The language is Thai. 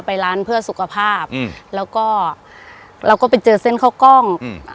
ไปร้านเพื่อสุขภาพอืมแล้วก็เราก็ไปเจอเส้นเข้ากล้องอืม